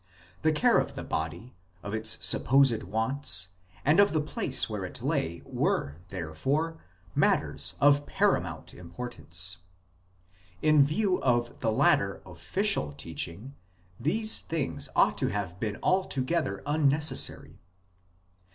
The care of the body, of its supposed wants, and of the place where it lay were, therefore, matters of paramount importance. In view of the later " official " teaching these things ought to have been altogether unneces sary.